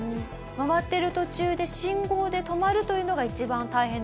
回ってる途中で信号で止まるというのが一番大変だったと。